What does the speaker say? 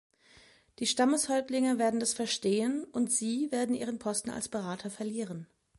Die Stammeshäuptlinge werden das verstehen, und Sie werden Ihren Posten als Berater verlieren.